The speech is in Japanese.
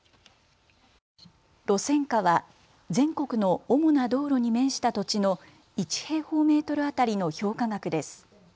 路線価は全国の主な道路に面した土地の１平方メートル当たりの評価額です。